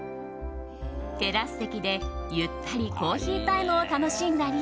テラス席でゆったりコーヒータイムを楽しんだり